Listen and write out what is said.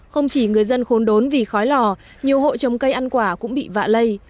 không chỉ người dân khốn đốn vì khói lò nhiều hộ trồng cây ăn quả cũng bị vạ lây